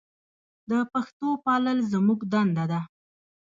د پښتو پالل زموږ دنده ده.